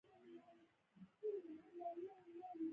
د مرغۍ وزر د باغ په ګل وښویېد.